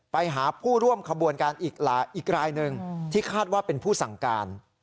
ไปหาผู้ร่วมขบวนการอีกรายหนึ่งที่คาดว่าเป็นผู้สั่งการ